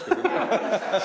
ハハハハ。